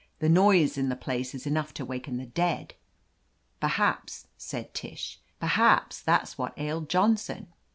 "The noise in the place is enough to waken the dead." "Perhaps," said Tish, "perhaps that's what ailed Johnson